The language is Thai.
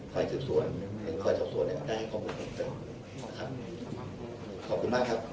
ค่อยศึกษวนหรือค่อยสอบส่วนเนี่ยได้ให้เขาคุ้มไป